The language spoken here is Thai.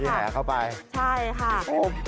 พี่แห่เข้าไปนี่ค่ะใช่ค่ะปุ๊บ